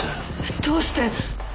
どうして？